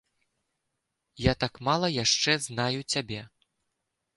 Я так мала яшчэ знаю цябе.